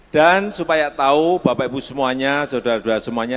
supaya tahu bapak ibu semuanya saudara saudara semuanya